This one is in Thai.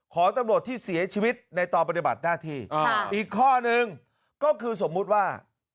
ของตำรวจที่เสียชีวิตในตอนปฏิบัติหน้าที่อีกข้อหนึ่งก็คือสมมุติว่า